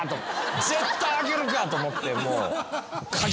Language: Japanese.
絶対開けるか」と思ってもう。